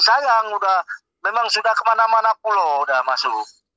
sayang memang sudah ke mana mana pulau sudah masuk